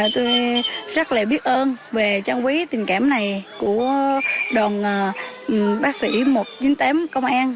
tôi rất là biết ơn về trang quý tình cảm này của đoàn bác sĩ một trăm chín mươi tám công an